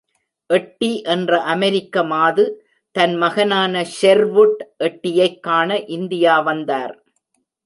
எட்டி என்ற அமெரிக்க மாது, தன் மகனான ஷெர்வுட் எட்டியைக் காண இந்தியா வந்தார்.